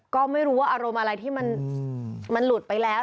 ก็ไม่รู้ว่าอารมณ์อะไรที่มันหลุดไปแล้ว